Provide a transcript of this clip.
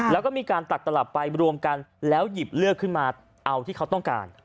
แล้วก็มีการตัดตลับไปรวมกันแล้วหยิบเลือกขึ้นมาเอาที่เขาต้องการ